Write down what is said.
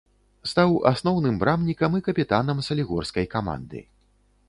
Стаў асноўным брамнікам і капітанам салігорскай каманды.